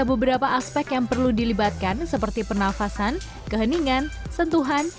ada beberapa aspek yang perlu dilibatkan seperti pernafasan keheningan sentuhan